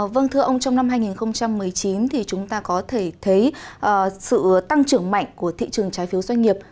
vâng thưa ông trong năm hai nghìn một mươi chín thì chúng ta có thể thấy sự tăng trưởng mạnh của thị trường trái phiếu doanh nghiệp